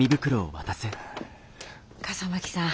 笠巻さん